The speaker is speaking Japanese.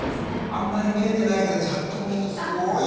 あんまり見れてないけどチャットもきっとすごいんだろうね。